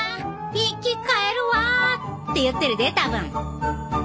生き返るわ！って言ってるで多分。